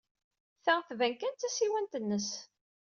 Ta tban kan d tasiwant-nnes.